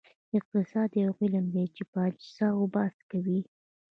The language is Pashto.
اقتصاد یو علم دی چې په اجناسو بحث کوي.